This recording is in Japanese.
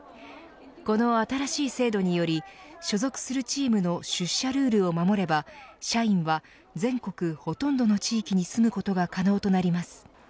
この新しい制度により所属するチームの出社ルールを守れば社員は、全国ほとんどの地域に住むことが可能となります。